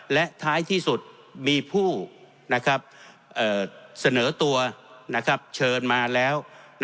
และท้ายที่สุดมีผู้เสนอตัวเชิญมาแล้ว